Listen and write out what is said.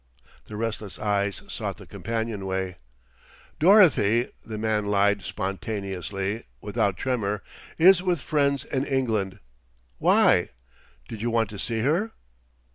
The restless eyes sought the companionway. "Dorothy," the man lied spontaneously, without a tremor, "is with friends in England. Why? Did you want to see her?"